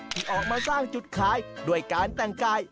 ที่ออกมาสร้างจุดขายด้วยการแต่งกาย